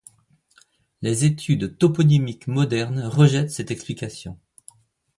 Les études toponymiques modernes rejettent cette explication.